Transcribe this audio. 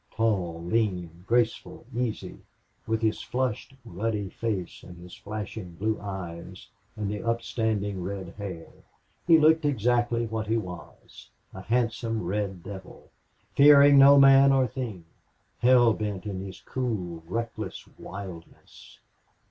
Tall, lean, graceful, easy, with his flushed ruddy face and his flashing blue eyes and the upstanding red hair, he looked exactly what he was a handsome red devil, fearing no man or thing, hell bent in his cool, reckless wildness.